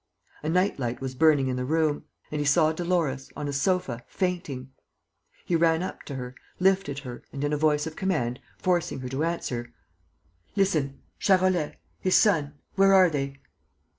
A night light was burning in the room; and he saw Dolores, on a sofa, fainting. He ran up to her, lifted her and, in a voice of command, forcing her to answer: "Listen. ... Charolais? His son ... Where are they?"